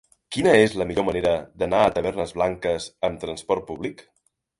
Quina és la millor manera d'anar a Tavernes Blanques amb transport públic?